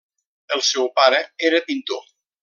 El seu pare era pintor.